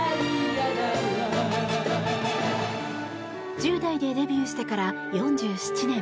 １０代でデビューしてから４７年。